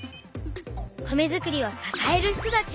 「米づくりを支える人たち」。